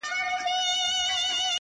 د زړه رگونه مي د باد په هديره كي پراته-